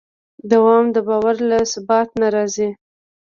دوام د باور له ثبات نه راځي.